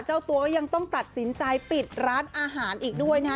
เจ้าตัวก็ยังต้องตัดสินใจปิดร้านอาหารอีกด้วยนะฮะ